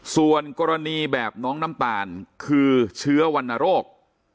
ส่วนกรณีแบบน้องน้ำตาลคือเชื้อวรรณโรค